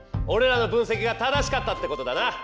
おれらの分析が正しかったってことだな。